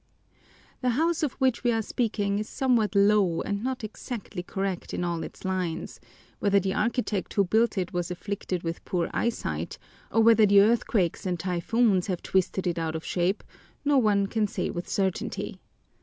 The house of which we are speaking is somewhat low and not exactly correct in all its lines: whether the architect who built it was afflicted with poor eyesight or whether the earthquakes and typhoons have twisted it out of shape, no one can say with certainty.